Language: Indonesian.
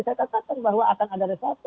saya katakan bahwa akan ada resape